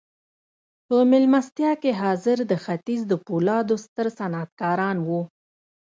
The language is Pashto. په مېلمستیا کې حاضر د ختیځ د پولادو ستر صنعتکاران وو